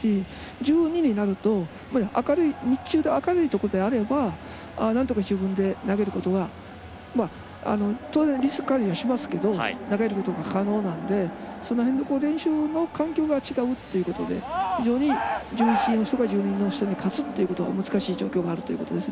１２になると日中、明るいところであればなんとか自分で投げることは当然、リスク管理はしますけど投げることが可能なのでその辺の練習の環境が違うということで非常に１２の人に勝つっていうことは難しい状況にあるということです。